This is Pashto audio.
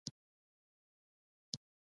د سالنګ تونل کوم ولایتونه سره نښلوي؟